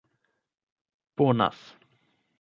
bonas